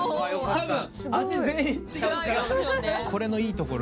多分。